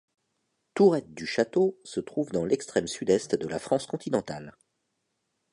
Tourette-du-Château se trouve dans l’extrême sud-est de la France continentale.